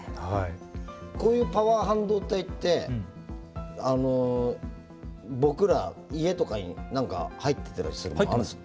こういうパワー半導体って僕ら家とかに何か入ってたりするものあるんですか。